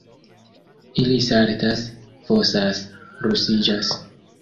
Ili saltas, fosas, ruliĝas.